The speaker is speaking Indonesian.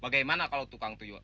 bagaimana kalau tukang tuyul